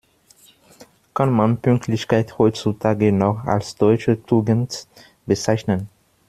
Kann man Pünktlichkeit heutzutage noch als deutsche Tugend bezeichnen?